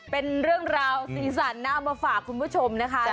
เป็นเรื่องราวสีสันน่ามาฝากคุณผู้ชมนะคะ